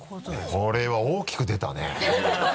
これは大きく出たね。